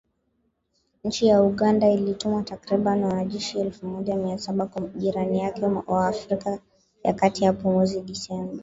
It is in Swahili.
Nchi ya Uganda ilituma takribani wanajeshi elfu moja mia saba kwa jirani yake wa Afrika ya kati hapo mwezi Disemba